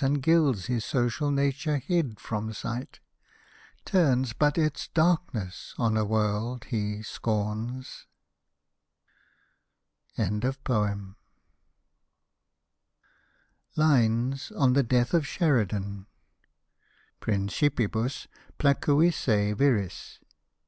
And gilds his social nature hid from sight, Turns but its darkness on a world he scorns. Hosted by Google 232 MISCELLANEOUS POEMS LINES ON THE DEATH OF SHERIDAN " Principibus placuisse viris